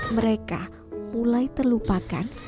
mereka mulai terlupakan